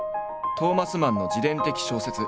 トオマス・マンの自伝的小説